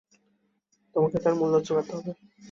তোমাকে তার মূল্য চুকাতে হবে।